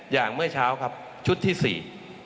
อย่างเมื่อเช้าครับชุดที่๔